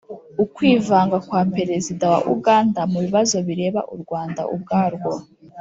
ukwivanga kwa perezida wa uganda mu bibazo bireba u rwanda ubwarwo.